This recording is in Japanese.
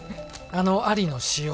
あのアリの私用